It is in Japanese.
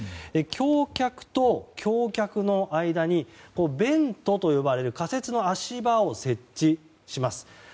橋脚と橋脚の間にベントと呼ばれる仮設の足場を設置します。